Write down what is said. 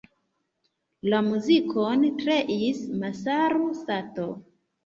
La muzikon kreis Masaru Sato.